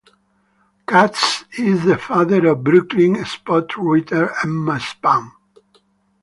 Katz is the father of Brooklyn sportswriter Emma Span.